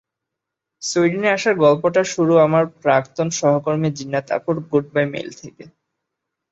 সুইডেনে আসার গল্পটা শুরু আমার প্রাক্তন সহকর্মী জিন্নাত আপুর গুডবাই মেইল থেকে।